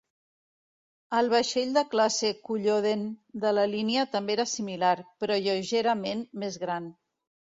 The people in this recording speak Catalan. El vaixell de classe Culloden de la línia també era similar, però lleugerament més gran.